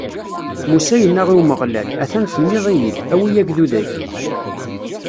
Musa yenna i Umeɣlal: A-t-an tenniḍ-iyi-d: Awi agdud-agi!